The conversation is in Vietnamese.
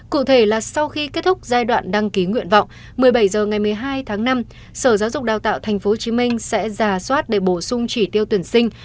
cụ thể là sau khi kết thúc giai đoạn đăng ký nguyện vọng một mươi bảy h ngày một mươi hai tháng năm sở giáo dục đào tạo tp hcm sẽ giả soát để bổ sung chỉ tiêu tuyển sinh